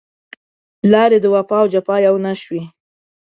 لارې د وفا او جفا يو نه شوې